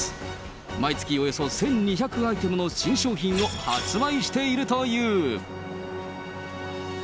毎月およそ１２００アイテムの新商品を発売しているという。